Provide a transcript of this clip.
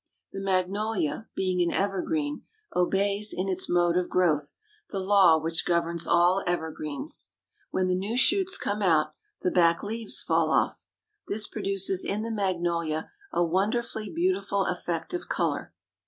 The magnolia, being an evergreen, obeys in its mode of growth the law which governs all evergreens. When the new shoots come out, the back leaves fall off. This produces in the magnolia a wonderfully beautiful effect of color.